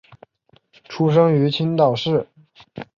出生于青岛市。